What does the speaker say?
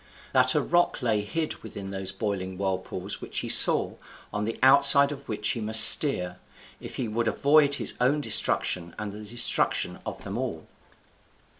That a rock lay hid within those boiling whirlpools which he saw, on the outside of which he must steer, if he would avoid his own destruction and the destruction of them all.